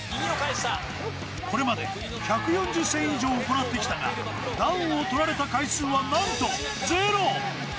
これまで１４０戦以上行ってきたがダウンを取られた回数はなんとゼロ。